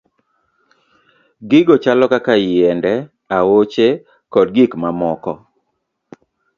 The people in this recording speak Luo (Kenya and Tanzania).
Gigo chalo kaka yiende, aoche, kod gik mamoko.